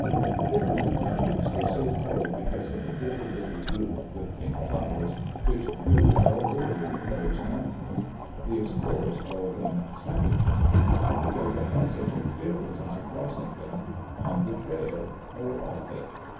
The Bitter Root Mountains are so called because of the bitter little root with pink flowers which grew all over those mountains. The explorers called them "savage" moun tains, because they had such a fearful time crossing them, on the trail or off it.